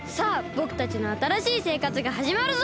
ぼくたちのあたらしいせいかつがはじまるぞ！